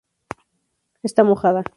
Está mojada.